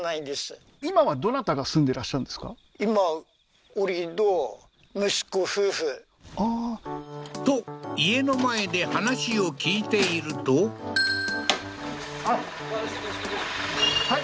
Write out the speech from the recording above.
今と家の前で話を聞いているとはい？